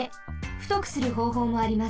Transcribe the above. ふとくするほうほうもあります。